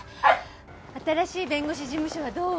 新しい弁護士事務所はどう？